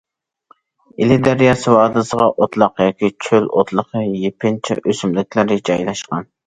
ئىلى دەرياسى ۋادىسىغا ئوتلاق ياكى چۆل ئوتلىقى يېپىنچا ئۆسۈملۈكلىرى جايلاشقان.